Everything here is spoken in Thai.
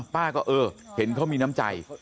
ป้าก็เออเห็นเขามีน้ำใจ